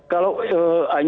kalau hanya sepihak diberikan